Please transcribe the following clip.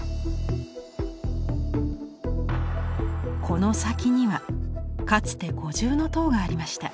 この先にはかつて五重塔がありました。